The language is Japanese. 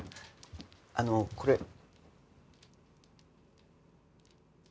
あのこれ。